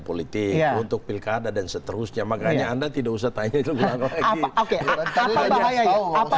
politik untuk pilkada dan seterusnya makanya anda tidak usah tanya itu ulang lagi oke apa bahaya ini